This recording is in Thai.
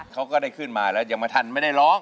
เขาก็ได้ขึ้นมาแล้วยังไม่ทันไม่ได้ร้อง